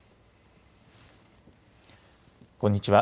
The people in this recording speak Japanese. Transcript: こんにちは。